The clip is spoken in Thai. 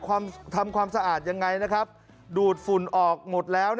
แต่ทำความสะอาดยังไงดูดฝุ่นออกหมดแล้ว